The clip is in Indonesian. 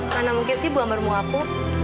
mana mungkin sih bu amber mau ngaku